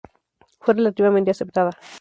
Fue relativamente aceptada.